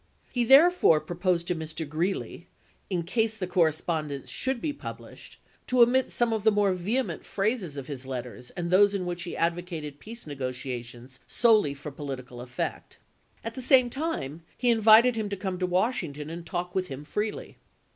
He therefore pro posed to Mr. Greeley, in case the correspondence should be published, to omit some of the more vehement phrases of his letters and those in which he advocated peace negotiations solely for political effect ; at the same time he invited him to come to Washington and talk with him freely.